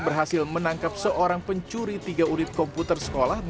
berhasil menangkap seorang pencuri tiga unit komputer sekolah